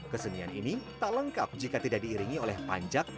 kesenian ini tak lengkap jika tidak diiringi oleh panjak